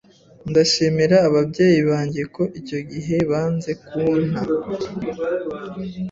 ndashimira ababyeyi banjye ko icyo gihe banze kunta